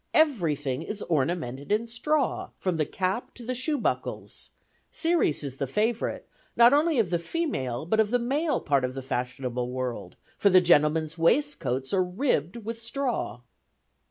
everything is ornamented in straw, from the cap to the shoe buckles; Ceres is the favorite, not only of the female but the male part of the fashionable world, for the gentlemen's waistcoats are ribbed with straw."